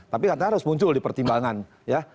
tapi katanya harus muncul di pertimbangan ya